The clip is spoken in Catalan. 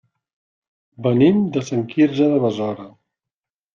Venim de Sant Quirze de Besora.